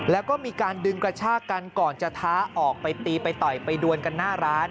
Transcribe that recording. แล้วก็มีการดึงกระชากกันก่อนจะท้าออกไปตีไปต่อยไปดวนกันหน้าร้าน